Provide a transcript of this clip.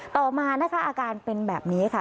ต่อมานะคะอาการเป็นแบบนี้ค่ะ